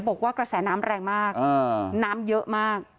บอกว่ากระแสน้ำแรงมากน้ำเยอะมาก